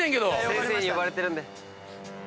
先生に呼ばれてるんで。